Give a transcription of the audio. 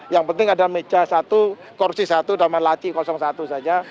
yang penting ada meja satu kursi satu damai laci satu saja